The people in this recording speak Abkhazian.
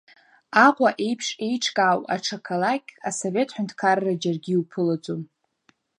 Аҟәа еиԥш еиҿкаау аҽа қалақьк Асовет ҳәынҭқарра џьаргьы иуԥылаӡом.